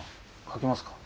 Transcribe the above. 描きますか？